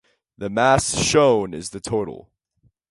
The mass shown is the total.